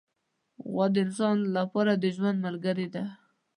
غوا د انسان لپاره د ژوند ملګرې ده.